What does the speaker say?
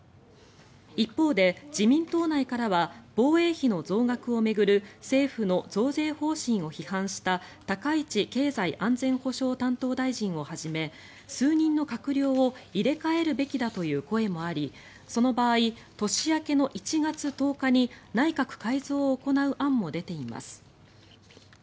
一方で、自民党内からは防衛費の増額を巡る政府の増税方針を批判した高市経済安全保障担当大臣をはじめ数人の閣僚を入れ替えるべきだという声もありその場合、年明けの１月１０日に内閣改造を行う案も出ています。